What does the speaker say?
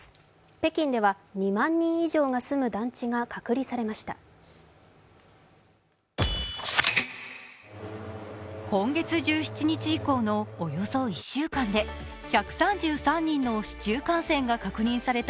北京では２万人以上が住む団地が隔離されました。